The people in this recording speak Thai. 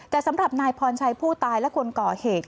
แต่สำหรับนายพรชัยผู้ตายและคนก่อเหตุ